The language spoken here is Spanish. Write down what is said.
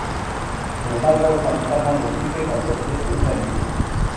Sin embargo, esta ventaja no existe cuando este se usa en vivo.